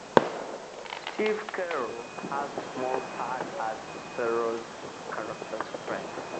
Steve Carell has a small part as Ferrell's character's friend.